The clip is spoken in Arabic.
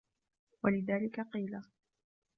وَلِذَلِكَ قِيلَ